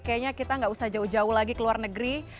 kayaknya kita nggak usah jauh jauh lagi ke luar negeri